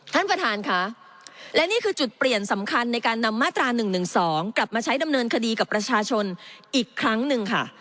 ท่านประธานค่ะและนี่คือจุดเปลี่ยนสำคัญในการนำมาตรา๑๑๒กลับมาใช้ดำเนินคดีกับประชาชนอีกครั้งหนึ่งค่ะ